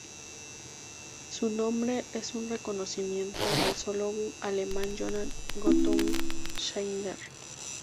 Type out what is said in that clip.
Su nombre es un reconocimiento al zoólogo alemán Johann Gottlob Schneider.